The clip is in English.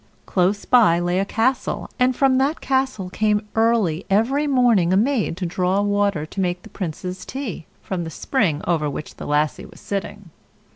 Close by lay a castle, and from that castle came early every morning a maid to draw water to make the Prince's tea, from the spring over which the Lassie was sitting.